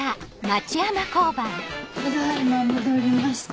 ただ今戻りました。